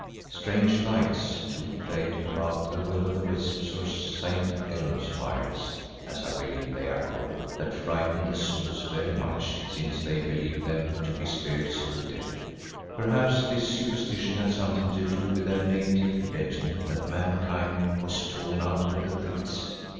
Strange lights, too, played about, will o' the wisps or St. Elmo fires, as I believe they are called, that frightened the Zulus very much, since they believed them to be spirits of the dead. Perhaps this superstition had something to do with their native legend that mankind was "torn out of the reeds."